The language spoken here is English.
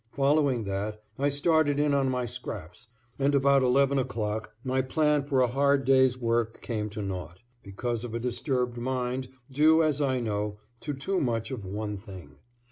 Following that I started in on my scraps and about 11 o'clock my plan for a hard day's work came to naught, because of a disturbed mind due, as I know, to too much of one thing.